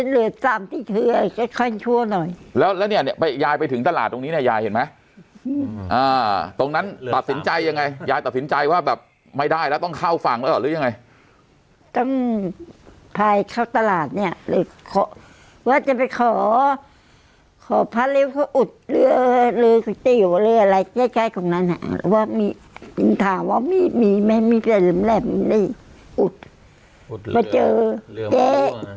ลูกลูกลูกลูกลูกลูกลูกลูกลูกลูกลูกลูกลูกลูกลูกลูกลูกลูกลูกลูกลูกลูกลูกลูกลูกลูกลูกลูกลูกลูกลูกลูกลูกลูกลูกลูกลูกลูกลูกลูกลูกลูกลูกลูกลูกลูกลูกลูกลูกลูกลูกลูกลูกลูกลูกล